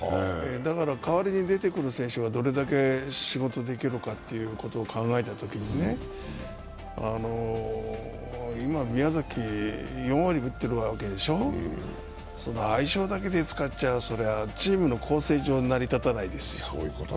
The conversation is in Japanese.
代わりに出てくる選手がどれくらい仕事ができるかということを考えたときに今宮崎４割打ってるわけでしょ相性だけで使っちゃそりゃあチームの構成上、成り立たないですよ。